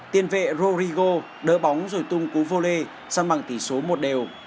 tiên vệ rodrigo đỡ bóng rồi tung cú vô lê sang bằng tỷ số một đều